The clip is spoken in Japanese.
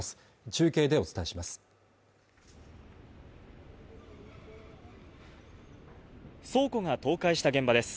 中継でお伝えします